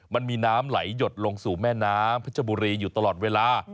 มันมีน้ำไหลหยดลงสู่แม่น้ำเพชรบุรีอยู่ตลอดเวลา